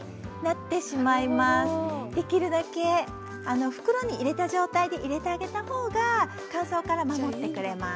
できるだけ袋に入れた状態で入れてあげたほうが乾燥から守ってくれます。